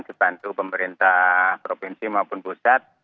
dibantu pemerintah provinsi maupun pusat